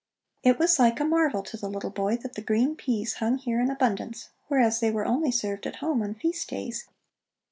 It was like a marvel to the little boy that the green peas hung here in abundance, whereas they were only served at home on feast days.